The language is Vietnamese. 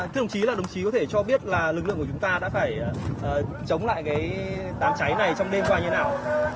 thưa ông chí là đồng chí có thể cho biết là lực lượng của chúng ta đã phải chống lại cái đám cháy này trong đêm qua như thế nào